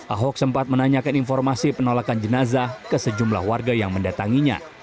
ahok sempat menanyakan informasi penolakan jenazah ke sejumlah warga yang mendatanginya